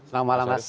selamat malam mas